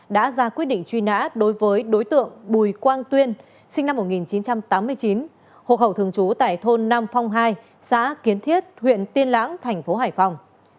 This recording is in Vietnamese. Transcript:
đã ra quyết định truy nã đối với đối tượng bùi quang tuyên sinh năm một nghìn chín trăm tám mươi chín hộ khẩu thường trú tại thôn nam phong hai xã kiến thiết huyện tiên lãng thành phố hải phòng